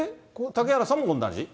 嵩原さんも同じ？